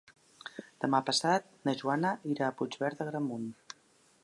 Demà passat na Joana irà a Puigverd d'Agramunt.